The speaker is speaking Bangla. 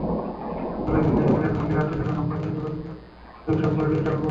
গলায় ঝুলিয়ে নিলেন হলি আর্টিজানে হামলায় নিহত ব্যক্তিদের ছবিসংবলিত ডিজিটাল বোর্ড।